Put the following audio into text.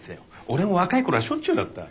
俺も若い頃はしょっちゅうだった。